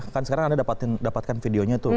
kan sekarang anda dapatkan videonya tuh